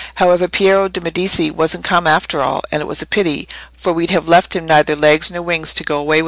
However, Piero de' Medici wasn't come after all; and it was a pity; for we'd have left him neither legs nor wings to go away with again."